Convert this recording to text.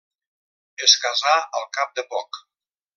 Es casà al cap de poc.